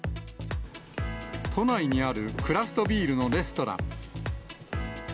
都内にあるクラフトビールのレストラン。